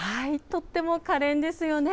とってもかれんですよね。